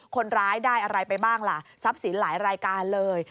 คนร้ายได้อะไรไปบ้างล่ะทรัพย์สินหลายรายการเลย